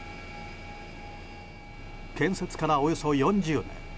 建設からおよそ４０年。